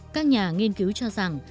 các nhà nghiên cứu cho rằng